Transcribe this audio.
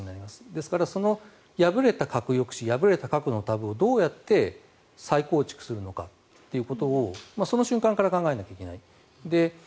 ですから、破れた核抑止破れた核のタブーをどうやって再構築するのかということをその瞬間から考えなければいけない。